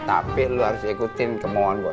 tapi lu harus ikutin kemauan gue